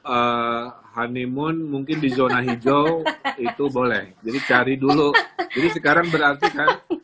eh honeymoon mungkin di zona hijau itu boleh jadi cari dulu jadi sekarang berarti kan